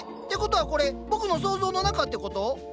てことはこれ僕の想像の中ってこと？